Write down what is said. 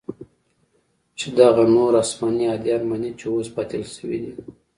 چې دغه نور اسماني اديان مني چې اوس باطل سوي دي.